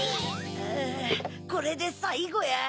うぅこれでさいごや。